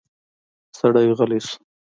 سړی غلی شو.